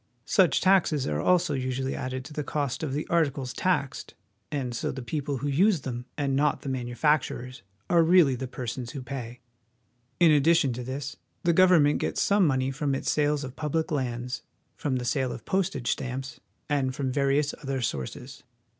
Such taxes are also usually added to the cost of the articles taxed, and so the people who use them, and not the manufacturers, are really the persons who pay. In addition to this, the government gets some money from its sales of public lands, from the sale of postage stamps, and from various other sources.